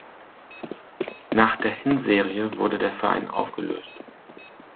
Nach der Hinserie wurde der Verein aufgelöst.